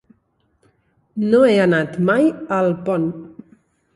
No he anat mai a Alpont.